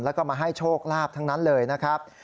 แล้วก็มาให้โชคลาภทั้งนั้นเลยนะครับ